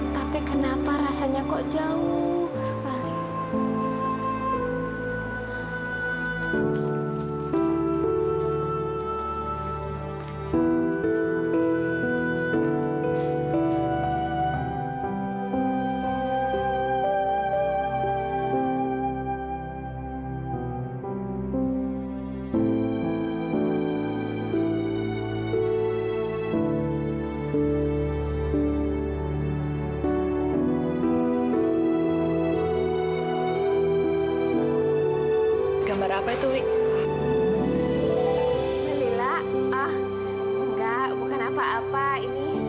tapi kenapa rasanya kok jauh sekali